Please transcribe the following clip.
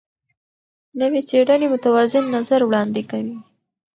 نوې څېړنې متوازن نظر وړاندې کوي.